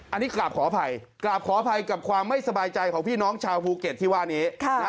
อันนี้กราบขออภัยกราบขออภัยกับความไม่สบายใจของพี่น้องชาวภูเก็ตที่ว่านี้